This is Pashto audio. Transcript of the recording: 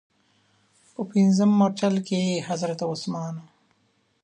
په پنځم مورچل کې حضرت عثمان و.